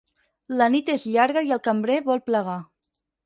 La nit és llarga i el cambrer vol plegar.